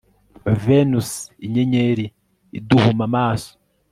Venus Inyenyeri iduhuma amaso